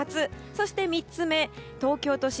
そして３つ目、東京都心